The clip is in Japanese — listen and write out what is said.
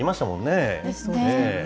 そうですよね。